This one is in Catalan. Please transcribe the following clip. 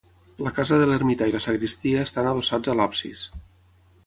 La casa de l'ermità i la sagristia estan adossats a l'absis.